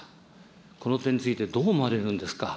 この点についてどう思われるんですか。